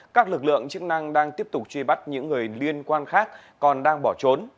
các lực lượng chức năng đang tiếp tục truy bắt những người liên quan khác còn đang bỏ trốn